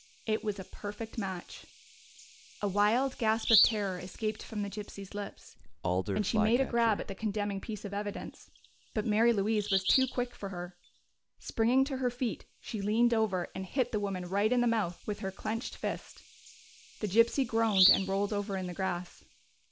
It was a perfect match! A wild gasp of terror escaped from the gypsy's lips, and she made a grab at the condemning piece of evidence. But Mary Louise was too quick for her. Springing to her feet, she leaned over and hit the woman right in the mouth with her clenched fist. The gypsy groaned and rolled over in the grass.